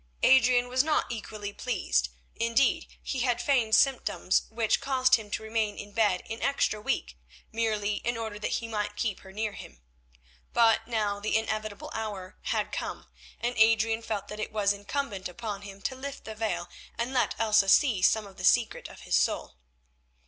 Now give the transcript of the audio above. Adrian was not equally pleased; indeed he had feigned symptoms which caused him to remain in bed an extra week, merely in order that he might keep her near him. But now the inevitable hour had come, and Adrian felt that it was incumbent upon him to lift the veil and let Elsa see some of the secret of his soul.